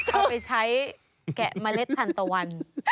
เอาไปใช้แกะเมล็ดทันตะวัน